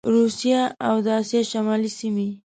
روسیه او د اسیا شمالي سیمي